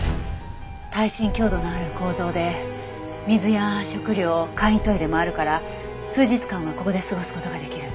耐震強度のある構造で水や食料簡易トイレもあるから数日間はここで過ごす事が出来る。